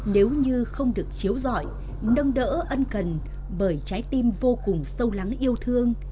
nếu như không được chiếu dõi nâng đỡ ân cần bởi trái tim vô cùng sâu lắng yêu thương